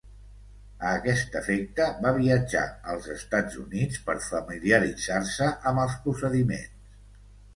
A aquest efecte va viatjar als Estats Units per familiaritzar-se amb els procediments.